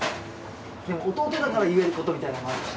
弟だから言えることみたいなのもあるし。